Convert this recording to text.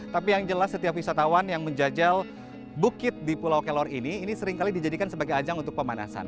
tapi yang jelas setiap wisatawan yang menjajal bukit di pulau kelor ini ini seringkali dijadikan sebagai ajang untuk pemanasan